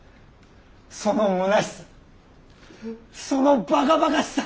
そのむなしさそのばかばかしさ。